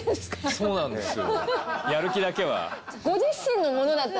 そうなんですよ。